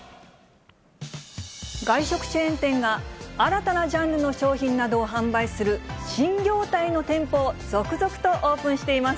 外食チェーン店が、新たなジャンルの商品などを販売する新業態の店舗を続々とオープンしています。